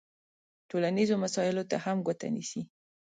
ټولنیزو مسایلو ته هم ګوته نیسي.